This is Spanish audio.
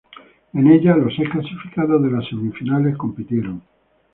En ella, los seis clasificados de las semifinales compitieron.